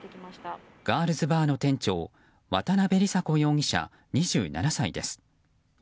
ガールズバーの店長渡辺理沙子容疑者、２７歳です。